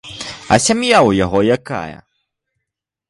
А сям'я ў яго якая?